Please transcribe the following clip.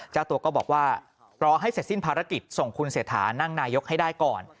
เจ้าตัวก็บอกว่ารอให้เสร็จสิ้นภารกิจส่งคุณเศรษฐานั่งนายกให้ได้ก่อน